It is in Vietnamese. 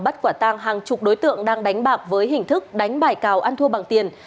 bắt quả tang hàng chục đối tượng đang đánh bạc với hình thức đánh bài cào ăn thua bằng tiền